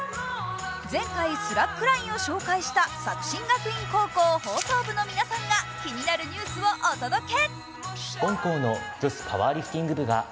前回、スラックラインを紹介した作新学院放送部の皆さんが気になるニュースをお届け。